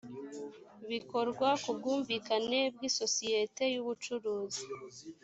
bikorwa ku bwumvikane bw’isosiyete y’ubucuruzi